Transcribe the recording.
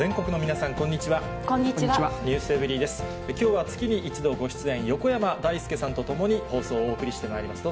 きょうは月に１度ご出演、横山だいすけさんと共に放送をお送りしてまいります。